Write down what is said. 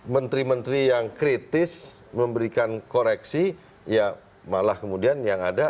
menteri menteri yang kritis memberikan koreksi ya malah kemudian yang ada